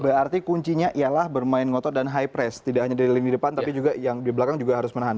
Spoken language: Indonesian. berarti kuncinya ialah bermain ngotot dan high press tidak hanya dari lini depan tapi juga yang di belakang juga harus menahan